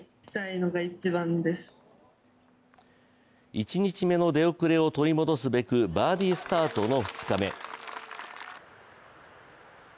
１日目の出遅れを取り戻すべくバーディースタートの２日目。